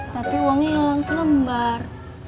tapi uangnya hilang selembar